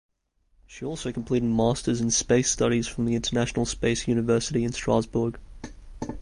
She also completed Masters in Space studies from the International Space University in Strasbourg.